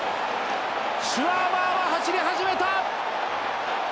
シュワーバーは走り始めた！